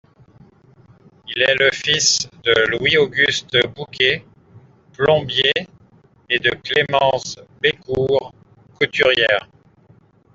Il est le fils de Louis Auguste Bouquet, Plombier et de Clémence Bécourt, Couturière.